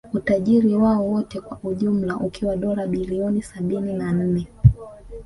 Utajiri wao wote kwa ujumla ukiwa dola bilioni sabini na nne